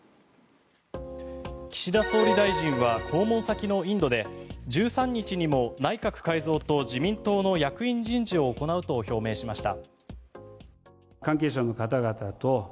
岸田総理大臣は訪問先のインドで１３日にも内閣改造と自民党の役員人事を行うと表明しました。